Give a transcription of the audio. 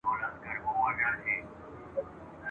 لکه شاعر د زړه په وینو مي نظمونه لیکم ..